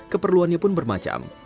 keperluannya pun bermacam